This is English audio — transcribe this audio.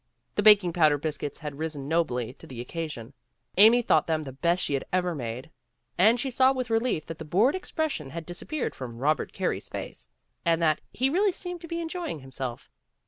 The baking powder biscuits had risen nobly to the occasion. Amy thought them the best she had ever made. And she saw with relief that the bored expression had disappeared from Eobert Carey's face, and that he really seemed to be enjoying himself.